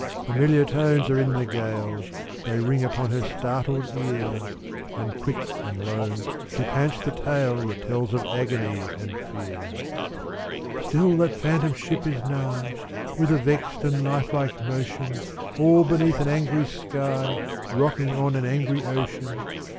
Familiar tones are in the gale: They ring upon her startled ear: And quick and low she pants the tale That tells of agony and fear: "Still that phantom ship is nigh With a vexed and life like motion, All beneath an angry sky, Rocking on an angry ocean.